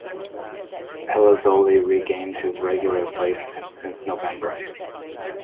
Pelizzoli re-gained his regular place since November.